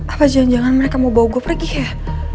apa jangan jangan mereka mau bawa gue pergi ya